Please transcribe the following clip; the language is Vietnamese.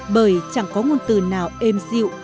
bởi chẳng có ngôn từ nào êm dịu